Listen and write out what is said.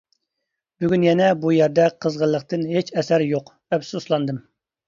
بۈگۈن يەنە بۇ يەردە قىزغىنلىقتىن ھېچ ئەسەر يوق ئەپسۇسلاندىم.